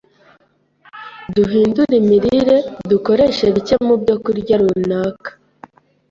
Duhindure imirire; dukoreshe bike mu byokurya runaka;